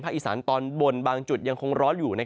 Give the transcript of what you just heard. อีสานตอนบนบางจุดยังคงร้อนอยู่